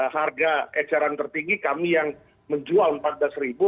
harga eceran tertinggi kami yang menjual empat belas ribu